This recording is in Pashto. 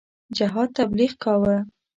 جهاد تبلیغ کاوه.